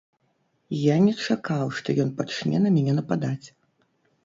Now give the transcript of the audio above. Я не чакаў, што ён пачне на мяне нападаць.